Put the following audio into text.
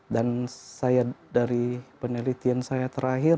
dan saya dari penelitian saya terakhir